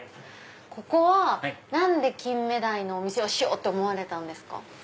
ここは何でキンメダイのお店をしようと思われたんですか？